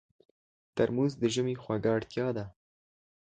ترموز د ژمي خوږه اړتیا ده.